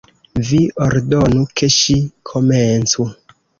Vi ordonu ke ŝi komencu.